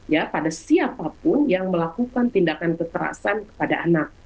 ya pada siapapun yang melakukan tindakan kekerasan kepada anak